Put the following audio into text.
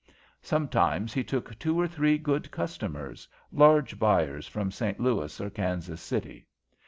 Sometimes he took two or three good customers, large buyers from St. Louis or Kansas City.